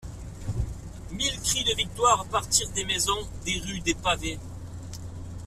Mille cris de victoire partirent des maisons, des rues des pavés.